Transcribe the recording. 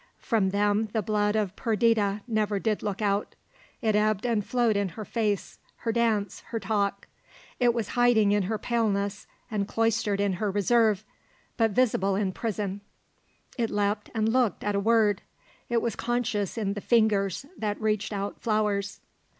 From them the blood of Perdita never did look out. It ebbed and flowed in her face, her dance, her talk. It was hiding in her paleness, and cloistered in her reserve, but visible in prison. It leapt and looked, at a word. It was conscious in the fingers that reached out flowers.